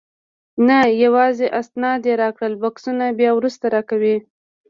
نه، یوازې اسناد یې راکړل، بکسونه بیا وروسته درکوي.